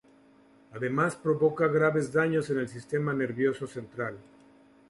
Además provoca graves daños en el sistema nervioso central.